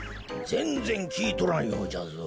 ぜんぜんきいとらんようじゃぞ。